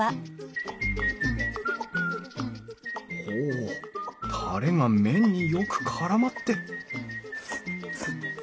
ほうタレが麺によくからまって！